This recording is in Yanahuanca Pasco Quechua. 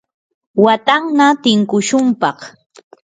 watanna tinkushunpaq.